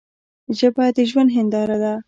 ژبه د ژوند هنداره ده.